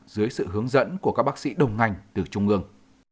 dưới sự hướng dẫn của các bác sĩ đồng ngành từ trung ương